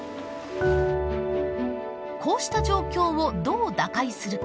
こうした状況をどう打開するか。